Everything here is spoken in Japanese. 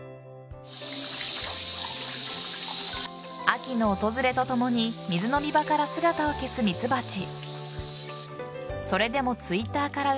秋の訪れとともに水飲み場から姿を消すミツバチ。